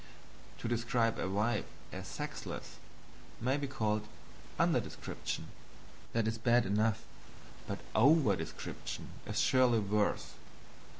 To describe a wife as sexless may be called under description; that is bad enough, but over description is surely worse.